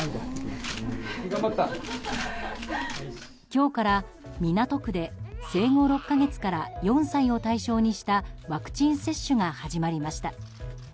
今日から、港区で生後６か月から４歳を対象にしたワクチン接種が始まりました。